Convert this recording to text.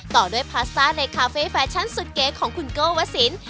ต่อด้วยพาสตาร์ในคาเฟ่แฟชันน์สุดเก๋ของคุณเกิ้ลวศิลป์